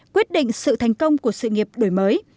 quyết định sự thành công của sự nghiệp đổi mới